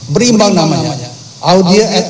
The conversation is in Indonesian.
berimbang namanya audio at